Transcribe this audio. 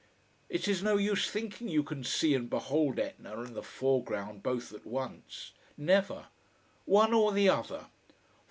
It is no use thinking you can see and behold Etna and the foreground both at once. Never. One or the other.